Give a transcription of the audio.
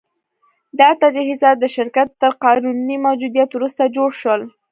دا تجهیزات د شرکت تر قانوني موجودیت وروسته جوړ شول